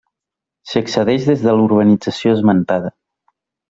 S'hi accedeix des de la urbanització esmentada.